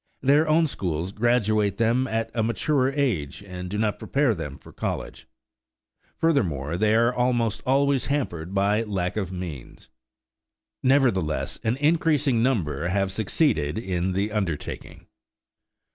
Their own schools graduate them at a mature age and do not prepare them for college. Furthermore, they are almost always hampered by lack of means. Nevertheless, an increasing number have succeeded in the undertaking.